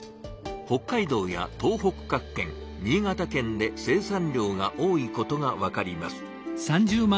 北海道や東北各県新潟県で生産量が多いことがわかります。